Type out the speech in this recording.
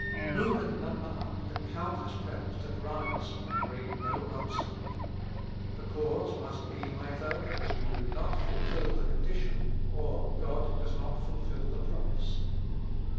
Who can number up the countless prayers that rise and bring no answer ? The cause must be either that we do not fulfil the condition, or God does not fulfil the promise.